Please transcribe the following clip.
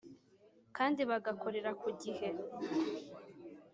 kandi bagakorera ku gihe.